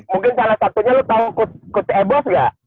mungkin salah satunya lo tau coach eboz gak